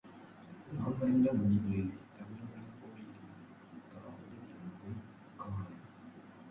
யாமறிந்த மொழிகளிலே தமிழ்மொழி போல் இனிதாவது எங்கும் காணோம்